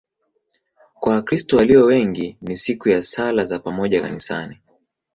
Kwa Wakristo walio wengi ni siku ya sala za pamoja kanisani.